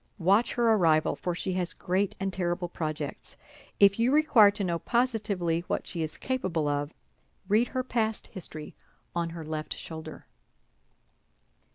Watch her arrival, for she has great and terrible projects. If you require to know positively what she is capable of, read her past history on her left shoulder."